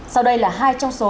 sau đây là hai trong số